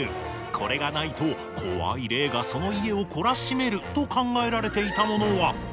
これがないと怖い霊がその家を懲らしめると考えられていたものは。